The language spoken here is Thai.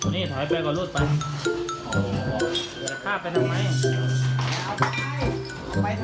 นี่ถ่ายไปก่อนรถไปโอ้โหแต่ข้าไปทำไม